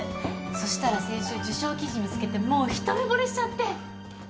そしたら先週受賞記事見つけてもう一目ぼれしちゃって